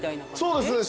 そうですね